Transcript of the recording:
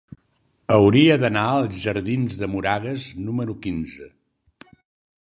Hauria d'anar als jardins de Moragas número quinze.